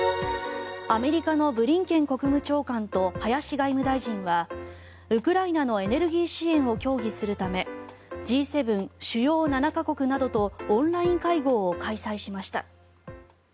アメリカのブリンケン国務長官と林外務大臣はウクライナのエネルギー支援を協議するためＧ７・主要７か国などとオンライン会合を開催しました。